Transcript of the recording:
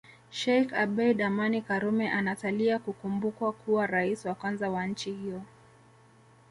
Sheikh Abeid Amani Karume anasalia kukumbukwa kuwa rais wa kwanza wa nchi hiyo